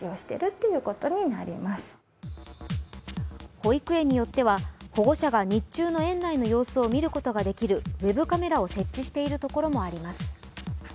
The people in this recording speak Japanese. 保育園によっては保護者が日中の園内の様子を見ることができるウェブカメラを設置しているところもあります。